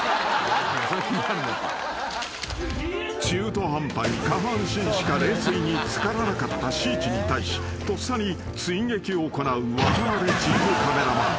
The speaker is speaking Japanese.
［中途半端に下半身しか冷水に漬からなかったしーちに対しとっさに追撃を行う渡邊チーフカメラマン］